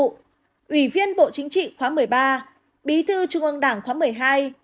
ủy viên bộ chính trị khóa một mươi ba bí thư trung ương đảng khóa một mươi hai